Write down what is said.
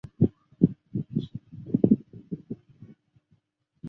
安苡爱前男友为男演员李博翔。